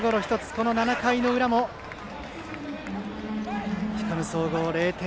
この７回の裏も彦根総合は０点。